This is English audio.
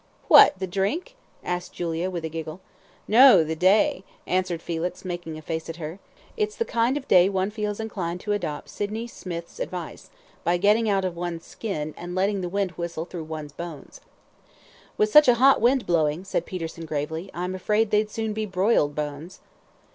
"What, the drink?" asked Julia, with a giggle. "No the day," answered Felix, making a face at her. "It's the kind of day one feels inclined to adopt Sydney Smith's advice, by getting out of one's skin, and letting the wind whistle through one's bones." "With such a hot wind blowing," said Peterson, gravely, "I'm afraid they'd soon be broiled bones."